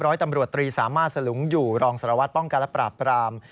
ร้อยตำรวจตรีสามารถสลุงอยู่รองสารวัตรป้องกันและปราบปราม